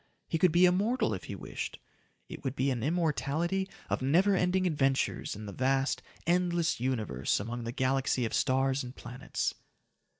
He could be immortal if he wished! It would be an immortality of never ending adventures in the vast, endless Universe among the galaxy of stars and planets.